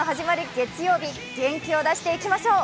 月曜日、元気を出していきましょう！